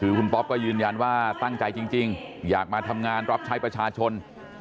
คือคุณป๊อปก็ยืนยันว่าตั้งใจจริงอยากมาทำงานรับใช้ประชาชน